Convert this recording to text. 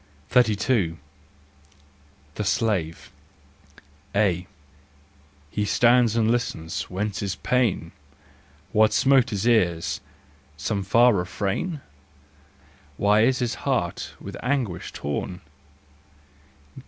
32 . The Slave . A. He stands and listens: whence his pain ? What smote his ears ? Some far refrain ? Why is his heart with anguish torn